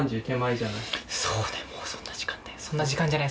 そうねもうそんな時間そんな時間じゃない。